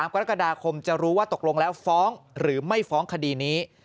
กรกฎาคมจะรู้ว่าตกลงแล้วฟ้องหรือไม่ฟ้องคดีนี้